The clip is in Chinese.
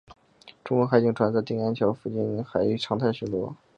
中国海警船在丁岩礁附近海域常态巡逻。